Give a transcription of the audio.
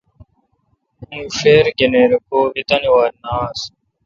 اوں ݭیر گنیر کو بی تانے وال ن آس۔